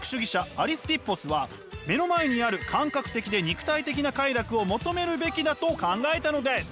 アリスティッポスは目の前にある感覚的で肉体的な快楽を求めるべきだと考えたのです。